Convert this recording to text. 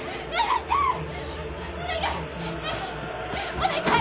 お願い！